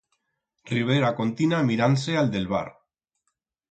Rivera contina mirand-se a'l d'el bar.